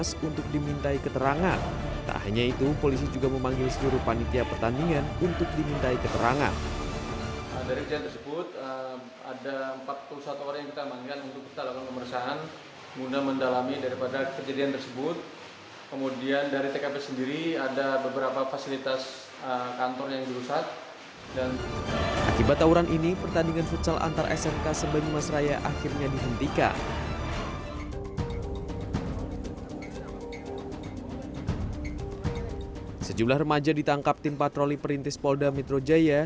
sejumlah remaja ditangkap tim patroli perintis polda mitrojaya